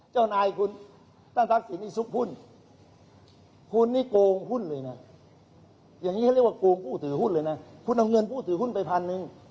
เจ้านายคุณตั้งสัก๕๖๕ล้านบาท